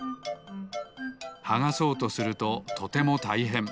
はがそうとするととてもたいへん。